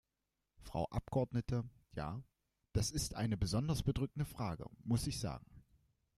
Frau Abgeordnete, ja, das ist eine besonders bedrückende Frage, muss ich sagen.